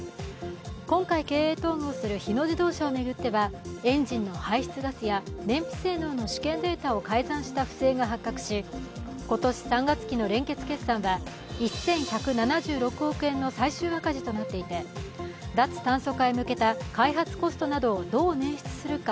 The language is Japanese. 今回、経営統合する日野自動車を巡ってはエンジンの排出ガスや燃費性能の試験データを改ざんした不正が発覚し今年３月期の連結決算は１１７６億円の最終赤字となっていて、脱炭素化へ向けた開発コストなどをどう捻出するか